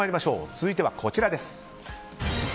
続いては、こちらです。